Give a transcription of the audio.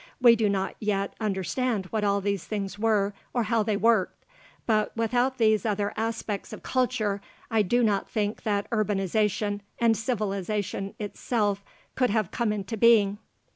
We do not yet understand what all these things were or how they worked. But without these other aspects of culture, I do not think that urbanization and civilization itself could have come into being.